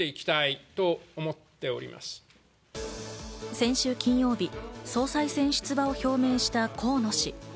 先週金曜日、総裁選出馬を表明した河野氏。